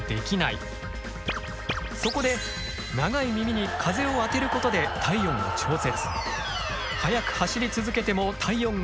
そこで長い耳に風を当てることで体温を調節。